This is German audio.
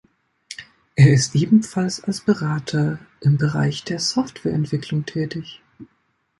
Er ist ebenfalls als Berater im Bereich der Software-Entwicklung tätig.